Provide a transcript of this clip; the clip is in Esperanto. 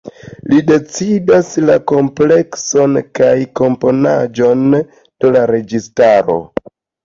Li decidas la amplekson kaj komponaĵon de la registaro.